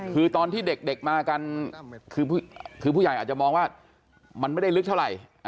คือตอนที่เด็กมากันคือผู้ใหญ่อาจจะมองว่ามันไม่ได้ลึกเท่าไหร่